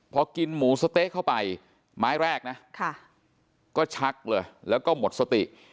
พอกินหมูสะเต๊ะเข้าไปไม้แรกนะก็ชักเลยแล้วก็หมดสติ